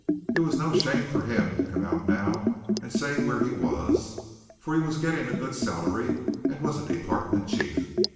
It was no shame for him to come out now and say where he was, for he was getting a good salary and was a department chief.